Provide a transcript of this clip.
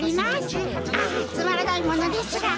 あっつまらないものですが。